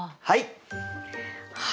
はい。